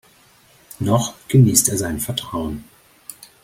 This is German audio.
Noch genießt er sein Vertrauen.